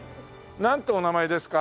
なんてお名前ですか？